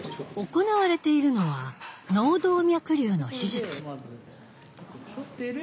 行われているのは脳動脈瘤の手術。